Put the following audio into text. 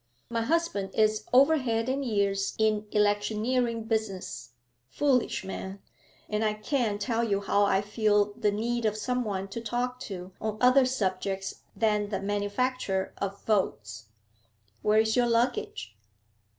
My husband is over head and ears in electioneering business, foolish man, and I can't tell you how I feel the need of someone to talk to on other subjects than the manufacture of votes. Where is your luggage?'